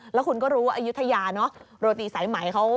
แล้วคุณก็รู้ว่าอยุธยาโรตีสายไหมเขา